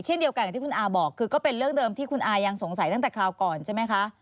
เช่นเดียวกันกับที่คุณอาบอกคือก็เป็นเรื่องเดิมที่คุณอายังสงสัยตั้งแต่คราวก่อนใช่ไหมคะ